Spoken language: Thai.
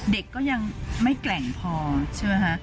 เด็กก็ยังไม่แกร่งพอใช่ไหมคะ